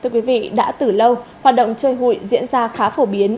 thưa quý vị đã từ lâu hoạt động chơi hụi diễn ra khá phổ biến